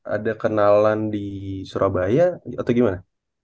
ada kenalan di surabaya atau gimana